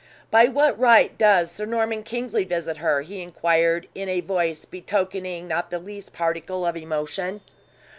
"By what right does Sir Norman Kingsley visit her?" he inquired, in a voice betokening not the least particle of emotion.